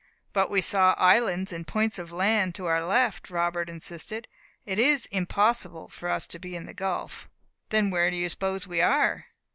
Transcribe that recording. "But we saw islands and points of land to our left," Robert insisted; "it is impossible for us to be in the gulf." "Then where do you suppose we are!"